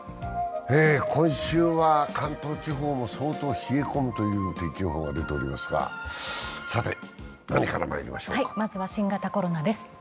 今週は関東地方も相当冷え込むという天気予報が出ておりますが、まずは新型コロナからです。